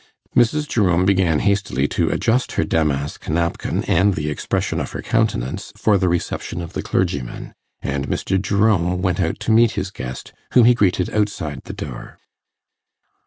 Mrs. Jerome began hastily to adjust her damask napkin and the expression of her countenance for the reception of the clergyman, and Mr. Jerome went out to meet his guest, whom he greeted outside the door.